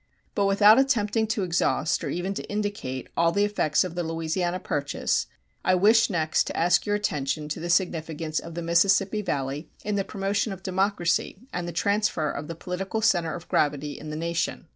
But without attempting to exhaust, or even to indicate, all the effects of the Louisiana Purchase, I wish next to ask your attention to the significance of the Mississippi Valley in the promotion of democracy and the transfer of the political center of gravity in the nation.